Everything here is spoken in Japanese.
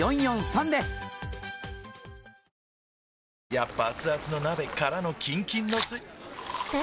やっぱアツアツの鍋からのキンキンのスん？